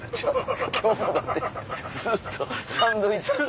今日だってずっとサンドイッチと。